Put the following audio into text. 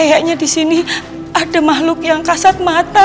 kayaknya disini ada makhluk yang kasat mata